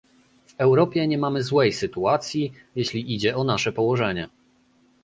W Europie nie mamy złej sytuacji, jeśli idzie o nasze położenie